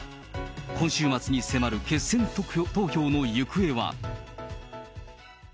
今週末に迫る決選投票の行方は。